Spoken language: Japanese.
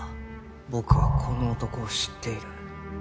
僕はこの男を知っている。